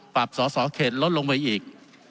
๖๐ปรับสอสอเขตลดลงไปอีก